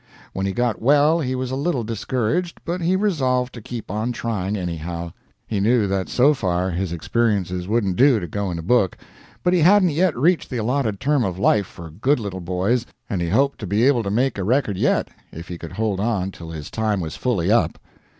When he got well he was a little discouraged, but he resolved to keep on trying anyhow. He knew that so far his experiences wouldn't do to go in a book, but he hadn't yet reached the allotted term of life for good little boys, and he hoped to be able to make a record yet if he could hold on till his time was fully up.